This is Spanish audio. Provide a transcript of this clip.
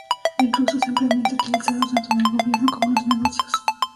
El ruso es ampliamente utilizado tanto en el gobierno como en los negocios.